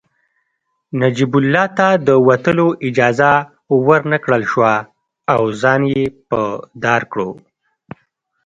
نجیب الله ته د وتلو اجازه ورنکړل شوه او ځان يې په دار کړ